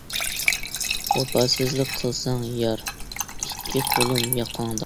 ۋاپاسىزلىق قىلساڭ يار، ئىككى قولۇم ياقاڭدا.